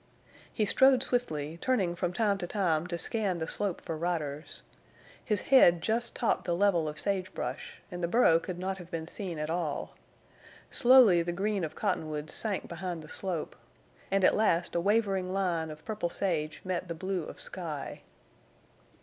He strode swiftly, turning from time to time to scan the slope for riders. His head just topped the level of sage brush, and the burro could not have been seen at all. Slowly the green of Cottonwoods sank behind the slope, and at last a wavering line of purple sage met the blue of sky.